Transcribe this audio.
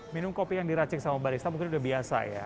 minum kopi yang diracik sama barista mungkin udah biasa ya